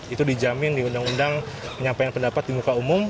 itu dijamin di undang undang penyampaian pendapat di muka umum